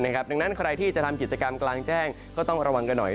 ดังนั้นใครที่จะทำกิจกรรมกลางแจ้งก็ต้องระวังกันหน่อย